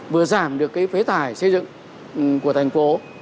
vừa giảm được cái phế thải xây dựng của thành phố